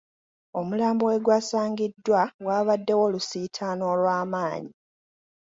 Omulambo we gwasangiddwa waabaddewo olusiitaano olw’amanyi.